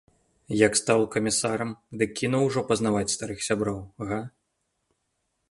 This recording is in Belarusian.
Як стаў камісарам, дык кінуў ужо пазнаваць старых сяброў, га?